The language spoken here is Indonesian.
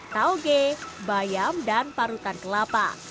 tauge bayam dan parutan kelapa